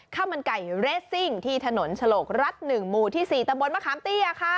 ข้าวมันไก่เรสซิ่งที่ถนนฉลกรัฐ๑หมู่ที่๔ตำบลมะขามเตี้ยค่ะ